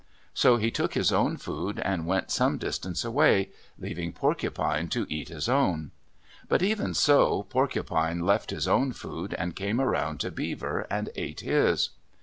So he took his own food and went some distance away, leaving Porcupine to eat his own. But even so, Porcupine left his own food, and came around to Beaver, and ate his.